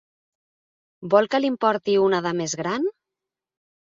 Vol que li'n porti una de més gran?